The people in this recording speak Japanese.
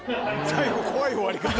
最後怖い終わり方。